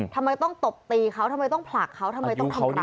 ทำไมต้องตบตีเขาทำไมต้องผลักเขาทำไมต้องทำร้าย